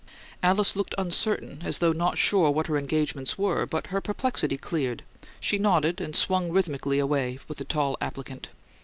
Alice looked uncertain, as though not sure what her engagements were; but her perplexity cleared; she nodded, and swung rhythmically away with the tall applicant.